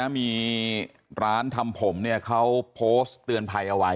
มีร้านทำผมเขาโพสต์เตือนภัยเอาไว้